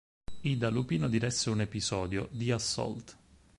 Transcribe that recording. Ida Lupino diresse un episodio, "The Assault".